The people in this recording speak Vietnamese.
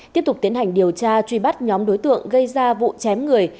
tiếp tục tiến hành điều tra truy bắt nhóm đối tượng gây ra vụ chém người